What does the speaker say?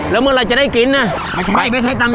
แล้วเมื่อไหร่จะได้กินไม่ใช่ไม่ใช่